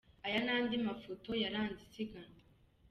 Aya ni andi mafoto yaranze isiganwa